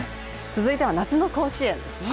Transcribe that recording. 続いては夏の甲子園です。